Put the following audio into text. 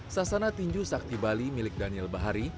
sasana tinju sakti bali milik daniel bahari